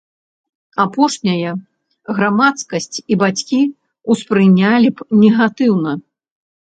Апошняе грамадскасць і бацькі ўспрынялі б негатыўна.